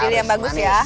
pilih yang bagus ya